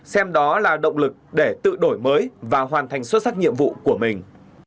xem đó là động lực để tự đổi mới và hoàn thành xuất sắc nhiệm vụ của mình